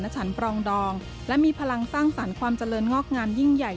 ฉันปรองดองและมีพลังสร้างสรรค์ความเจริญงอกงามยิ่งใหญ่